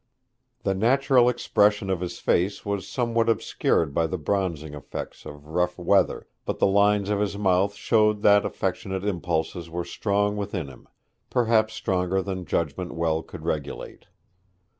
The natural expression of his face was somewhat obscured by the bronzing effects of rough weather, but the lines of his mouth showed that affectionate impulses were strong within him perhaps stronger than judgment well could regulate.